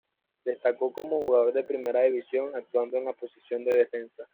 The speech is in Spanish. Destacó como jugador de Primera División actuando en la posición de defensa.